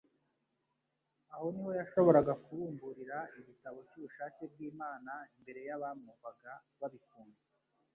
Aho niho yashoboraga kubumburira igitabo cy'ubushake bw'Imana imbere y'abamwumvaga babikunze.